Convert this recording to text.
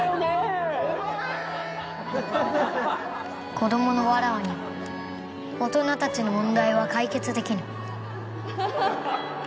子供のわらわには大人たちの問題は解決できぬ。